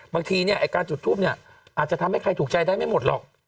บางทีเนี่ยไอ้การจุดทูปเนี่ยอาจจะทำให้ใครถูกใจได้ไม่หมดหรอก